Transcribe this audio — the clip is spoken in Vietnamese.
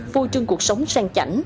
phô trưng cuộc sống sang chảnh